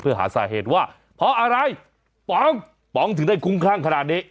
เพื่อหาสาเหตุว่าเพราะอะไรป๋องป๋องถึงได้คุ้มคลั่งขนาดนี้